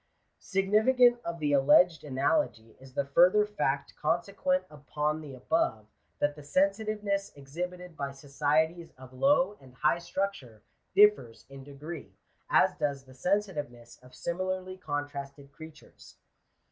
Significant of the alleged analogy is the further fact con sequent upon the above, that the sensitiveness exhibited by Digitized by VjOOQIC <'' Aft4 GENERAL CONSIDERATIONS. societies of low and high structure differs in degree, as does the sensitiveness of similarly contrasted creatures.